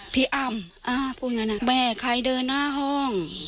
พิอำพูดอย่างนั้นอ่ะแม่ใครเดินหน้าห้อง